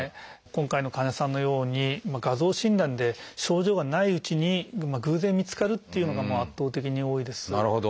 今回の患者さんのように画像診断で症状がないうちに偶然見つかるっていうのがもう圧倒的に多いです。